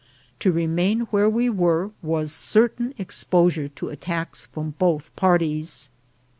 To remain where we were was certain exposure to attacks from both parties.